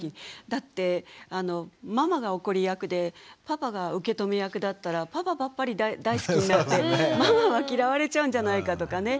だってママが怒り役でパパが受け止め役だったらパパばっかり大好きになってママは嫌われちゃうんじゃないかとかね